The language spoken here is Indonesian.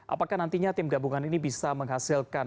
apakah nantinya tim gabungan ini bisa menghasilkan